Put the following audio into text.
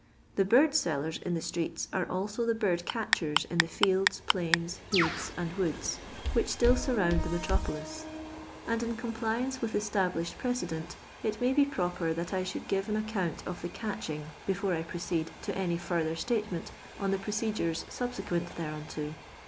Thi bird je//tfrf in the ttreeU are alio the bird eatektrt in the fieldf, plaint, heaths, and wooda, which ttill tarround the metropolit ; and in com pliance with ettablithed precedent it may be proper that I ■honld giro an account of the catch ing, before I proceed to any further itatement of the proceduree tubiequent thereunto.